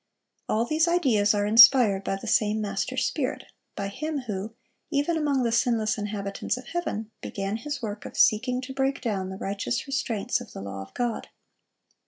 All these ideas are inspired by the same master spirit,—by him who, even among the sinless inhabitants of heaven, began his work of seeking to break down the righteous restraints of the law of God.